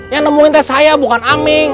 yang nemuin teh saya bukan aming